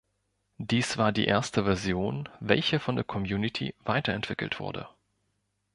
Dies war die erste Version, welche von der Community weiterentwickelt wurde.